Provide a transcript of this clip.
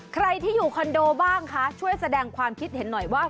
ใครที่อยู่คอนโดบ้างคะช่วยแสดงความคิดเห็นหน่อยว่า